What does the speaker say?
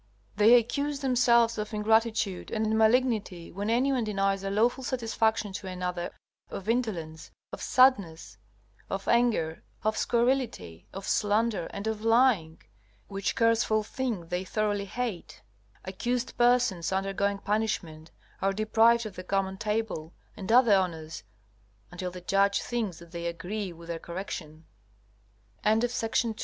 They accuse themselves of ingratitude and malignity when anyone denies a lawful satisfaction to another of indolence, of sadness, of anger, of scurrility, of slander, and of lying, which curseful thing they thoroughly hate. Accused persons undergoing punishment are deprived of the common table, and other honors, until the judge thinks that they agree with their correction. G.M. Tell me the manner in which the magistrates are chosen.